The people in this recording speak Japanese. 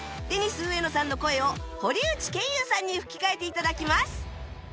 デニス植野さんの声を堀内賢雄さんに吹き替えて頂きます